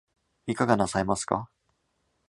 いかがなさいますか